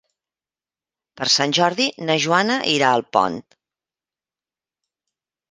Per Sant Jordi na Joana irà a Alpont.